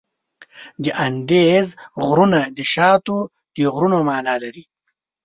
د اندیز غرونه د شاتو د غرونو معنا لري.